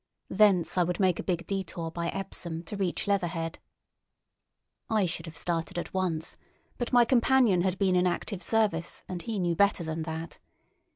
Thence I would make a big detour by Epsom to reach Leatherhead. I should have started at once, but my companion had been in active service and he knew better than that.